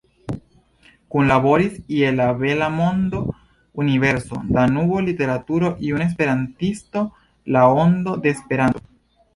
Kunlaboris je "La Bela Mondo, Universo, Danubo, Literaturo, Juna Esperantisto, La Ondo de Esperanto.